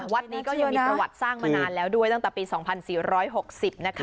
วัดนี้ก็ยังมีประวัติสร้างมานานแล้วด้วยตั้งแต่ปี๒๔๖๐นะคะ